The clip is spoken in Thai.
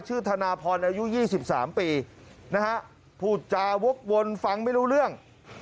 ชื่อธนาภรอายุ๒๓ปีพูดจาววกวลฟังไม่รู้เรื่อง